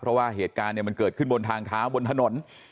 เพราะว่าเหตุการณ์มันเกิดขึ้นบนทางเท้าบนถนน